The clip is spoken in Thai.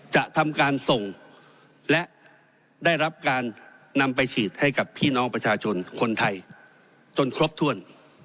จะทำการส่งและได้รับการนำไปฉีดให้กับพี่น้องประชาชนคนไทยจนครบถ้วน